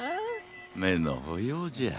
めのほようじゃ。